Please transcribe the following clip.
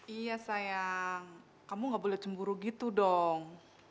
iya sayang kamu gak boleh cemburu gitu dong